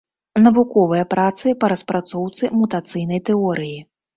Навуковыя працы па распрацоўцы мутацыйнай тэорыі.